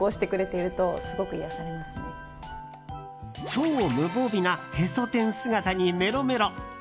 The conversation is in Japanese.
超無防備なへそ天姿にメロメロ。